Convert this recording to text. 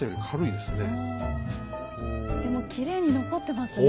でもきれいに残ってますね。